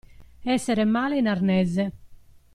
Essere male in arnese.